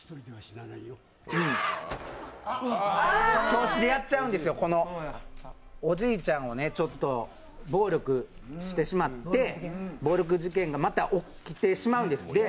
教室でやっちゃうんですよ、おじいちゃんに暴力してしまって暴力事件がまた起きてしまうんです。